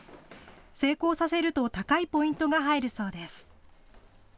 成功させると高いポイントが入るそうです。